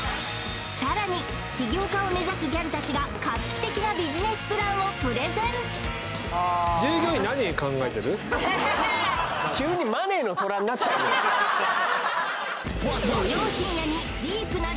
さらに起業家を目指すギャルたちが画期的なビジネスプランをプレゼン急にマネーの虎になっちゃうよ